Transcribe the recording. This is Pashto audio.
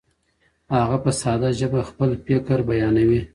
هغه په ساده ژبه خپل فکر بیانوي.